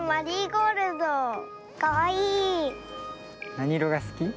なにいろがすき？